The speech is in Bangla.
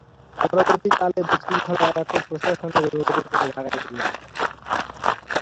পরবর্তীকালে বিশৃঙ্খলা এড়াতে প্রশাসনের অনুরোধে তিনি ঢাকায় ফিরে আসেন।